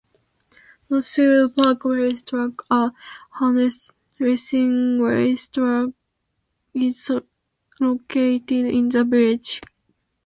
Northfield Park Race Track, a harness racing race track, is located in the village.